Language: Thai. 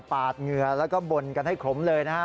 ปาดเหงื่อแล้วก็บ่นกันให้ขลมเลยนะฮะ